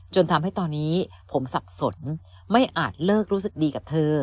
จนทำให้ตอนนี้ผมสับสนไม่อาจเลิกรู้สึกดีกับเธอ